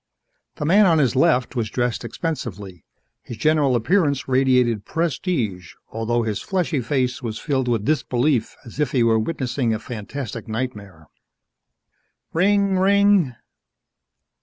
The man on his left was dressed expensively. His general appearance radiated prestige although his fleshy face was filled with disbelief as if he were witnessing a fantastic nightmare. _Rinnnng! Rinnnng!